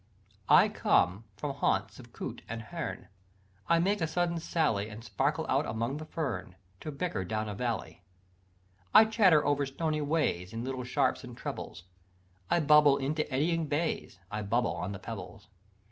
"I come from haunts of coot and hern, I make a sudden sally, And sparkle out among the fern, To bicker down a valley. "I chatter over stony ways, In little sharps and trebles, I bubble into eddying bays, I bubble on the pebbles.